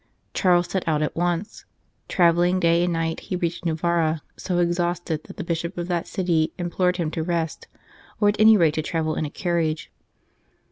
Charles set out at once. Travelling day and night, he reached Novara so exhausted that the Bishop of that city im plored him to rest, or at any rate to travel in a carriage.